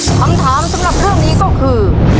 คำถามสำหรับเรื่องนี้ก็คือ